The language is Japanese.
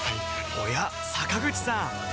おや坂口さん